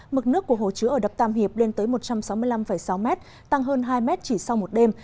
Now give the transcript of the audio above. mực nước của hồ chứa ở đập tam hiệp lên tới một trăm sáu mươi năm sáu m tăng hơn hai mét chỉ sau một đêm